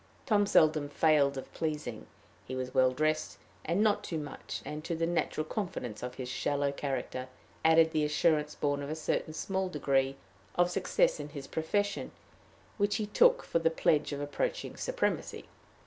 Tom seldom failed of pleasing. He was well dressed, and not too much; and, to the natural confidence of his shallow character, added the assurance born of a certain small degree of success in his profession, which he took for the pledge of approaching supremacy.